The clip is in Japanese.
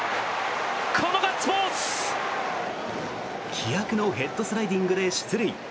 気迫のヘッドスライディングで出塁。